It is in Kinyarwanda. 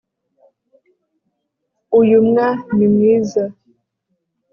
uyumwa ni mwiza